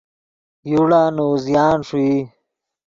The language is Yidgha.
یوڑا نے اوزیان ݰوئی